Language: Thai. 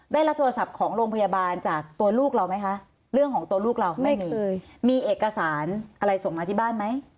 ได้รับโทรศัพท์ของโรงพยาบาลจากตัวลูกเราไหมคะเรื่องของตัวลูกเราไม่เคยมีเอกสารอะไรส่งมาที่บ้านไหม